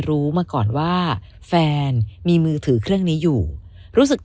รู้มาก่อนว่าแฟนมีมือถือเครื่องนี้อยู่รู้สึก